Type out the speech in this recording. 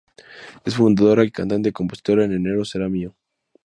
Es fundadora, cantante y compositora en "Enero será mío".